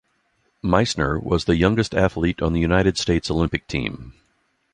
Meissner was the youngest athlete on the United States Olympic team.